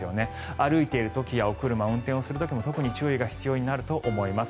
歩いている時やお車を運転する時も特に注意が必要になると思います。